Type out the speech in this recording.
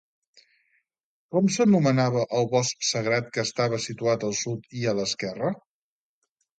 Com s'anomenava el bosc sagrat que estava situat al sud i a l'esquerra?